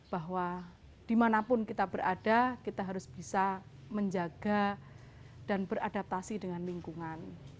bahwa dimanapun kita berada kita harus bisa menjaga dan beradaptasi dengan lingkungan